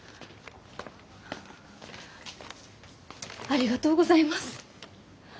ありがとうございます。